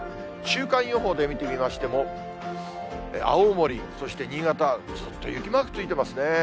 週間予報で見てみましても、青森、そして新潟、ずっと雪マークついてますね。